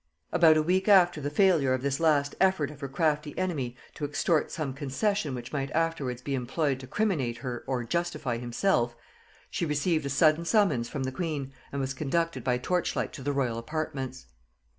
About a week after the failure of this last effort of her crafty enemy to extort some concession which might afterwards be employed to criminate her or justify himself, she received a sudden summons from the queen, and was conducted by torch light to the royal apartments.